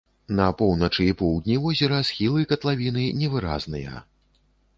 На поўначы і поўдні возера схілы катлавіны невыразныя.